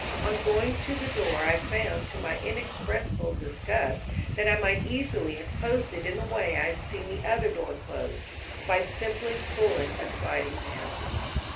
On going to the door I found, to my inexpressible disgust, that I might easily have closed it in the way I had seen the other door closed, by simply pulling a sliding panel.